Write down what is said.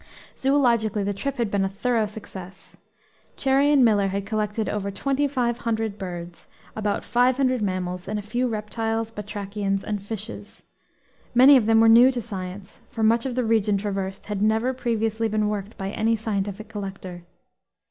Zoologically the trip had been a thorough success. Cherrie and Miller had collected over twenty five hundred birds, about five hundred mammals, and a few reptiles, batrachians, and fishes. Many of them were new to science; for much of the region traversed had never previously been worked by any scientific collector.